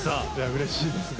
うれしいですね。